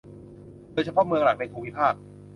โดยเฉพาะเมืองหลักในภูมิภาค